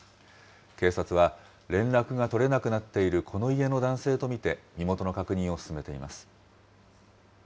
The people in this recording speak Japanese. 警察は、連絡が取れなくなっているこの家の男性と見て、身元の確認を進めています。